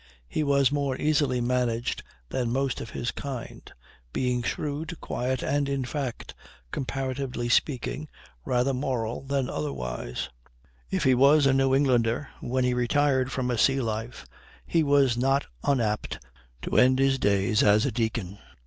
He was more easily managed than most of his kind being shrewd, quiet, and, in fact, comparatively speaking, rather moral than otherwise; if he was a New Englander, when he retired from a sea life he was not unapt to end his days as a deacon.